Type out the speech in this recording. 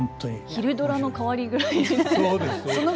昼ドラの代わりぐらい。